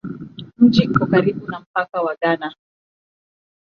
Mji uko karibu na mpaka wa Ghana.